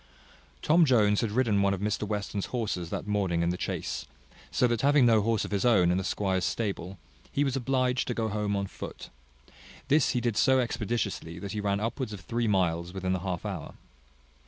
Tom Jones had ridden one of Mr Western's horses that morning in the chase; so that having no horse of his own in the squire's stable, he was obliged to go home on foot: this he did so expeditiously that he ran upwards of three miles within the half hour.